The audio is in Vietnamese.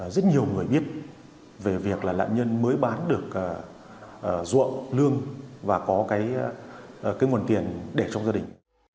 rất nhiều người biết về việc là nạn nhân mới bán được ruộng lương và có cái nguồn tiền để trong gia đình